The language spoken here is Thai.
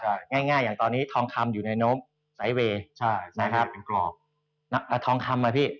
ใช่ง่ายง่ายอย่างตอนนี้ทองคำอยู่ในโน้มไซเวย์ใช่นะครับเป็นกรอบอ่าทองคำอ่ะพี่